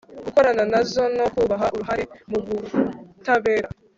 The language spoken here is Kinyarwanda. gukorana nazo no kubaha uruhare mu butabera